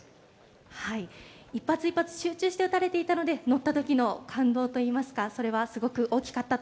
はい一発一発集中して打たれていたのでのった時の感動といいますかそれはすごく大きかったと思います。